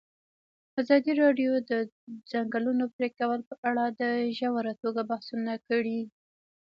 ازادي راډیو د د ځنګلونو پرېکول په اړه په ژوره توګه بحثونه کړي.